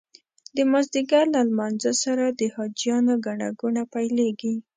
د مازدیګر له لمانځه سره د حاجیانو ګڼه ګوڼه پیلېږي.